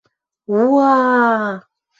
У-уа-а-а...